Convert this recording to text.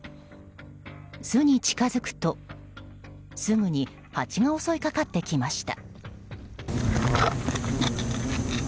巣に近づくと、すぐにハチが襲いかかってきました。